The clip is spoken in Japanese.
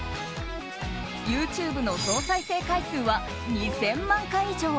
ＹｏｕＴｕｂｅの総再生回数は２０００万回以上。